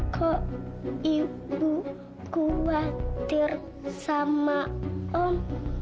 kok ibu khawatir sama om